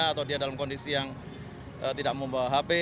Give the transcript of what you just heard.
atau dia dalam kondisi yang tidak membawa hp